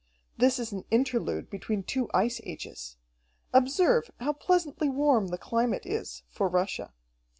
"This is an interlude between two ice ages. Observe how pleasantly warm the climate is, for Russia.